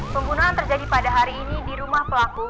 pembunuhan terjadi pada hari ini di rumah pelaku